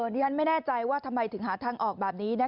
ดิฉันไม่แน่ใจว่าทำไมถึงหาทางออกแบบนี้